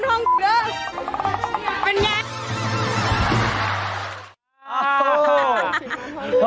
โอ้โห